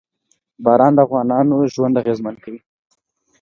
باران د افغانانو ژوند اغېزمن کوي.